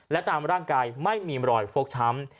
และตามร่างกายไม่มีรอยฟกช้ำ